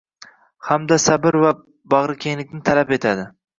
hamda sabr va... bag‘rikenglikni talab etadi.